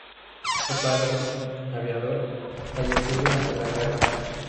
Su padre, aviador, falleció durante la guerra.